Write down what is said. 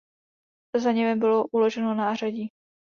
Za nimi bylo uloženo nářadí.